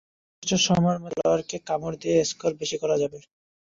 নির্দিষ্ট সময়ের মধ্যে প্রতিপক্ষের খেলোয়াড়কে কামড় দিয়ে স্কোর বেশি করা যাবে।